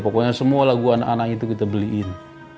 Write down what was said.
pokoknya semua lagu anak anak itu kita beliin